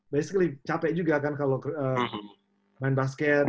biasanya capek juga kan kalo main basket